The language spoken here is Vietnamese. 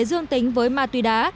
dương tính với ma tùy đá